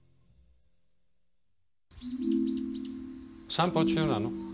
散歩中なの？